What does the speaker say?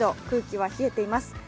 空気は冷えています。